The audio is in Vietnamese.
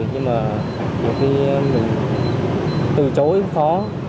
nhưng mà bây giờ mình từ chối khó